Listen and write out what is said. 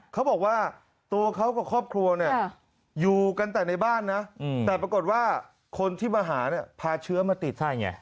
เขาบอกว่าตัวเขากับครอบครัวเนี่ยอยู่กันแต่ในบ้านนะแต่ปรากฏว่าคนที่มาหาเนี่ยพาเชื้อมาติดใช่ไง